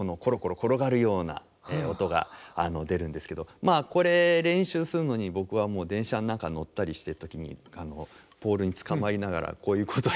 まあこれ練習するのに僕は電車の中乗ったりしてる時にポールにつかまりながらこういうことをやってましたね。